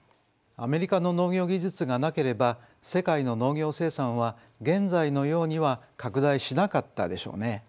アメリカの農業技術がなければ世界の農業生産は現在のようには拡大しなかったでしょうね。